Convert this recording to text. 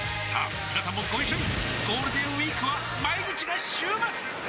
みなさんもご一緒にゴールデンウィークは毎日が週末！